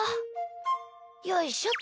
よいしょっと！